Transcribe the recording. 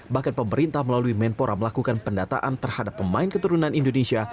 bahkan pemerintah melalui menpora melakukan pendataan terhadap pemain keturunan indonesia